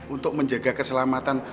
untuk menjaga keselamatan